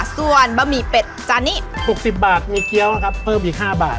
ส่วนบะหมี่เป็ดจานนี้๖๐บาทมีเกี้ยวนะครับเพิ่มอีก๕บาท